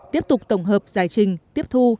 tiếp tục tổng hợp giải trình tiếp thu